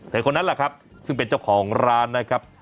คนนั้นแหละครับซึ่งเป็นเจ้าของร้านนะครับ